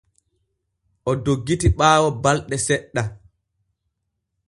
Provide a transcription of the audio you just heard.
O doggiti ɓaawo balɗe seɗɗa.